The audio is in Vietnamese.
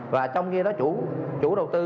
và trong khi đó chủ đầu tư